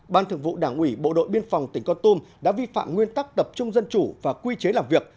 ban thường vụ đảng ủy bộ đội biên phòng tỉnh con tum đã vi phạm nguyên tắc tập trung dân chủ và quy chế làm việc